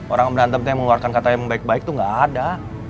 orang berantem yang mengeluarkan kata yang baik baik itu gak ada